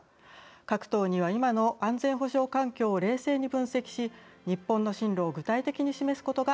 各党には今の安全保障環境を冷静に分析し日本の進路を具体的に示すことが